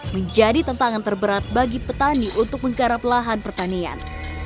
menjadi tantangan terberat bagi petani untuk menggarap lahan pertanian